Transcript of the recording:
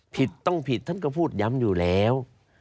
ผิดต้องผิดท่านก็พูดย้ำอยู่แล้ว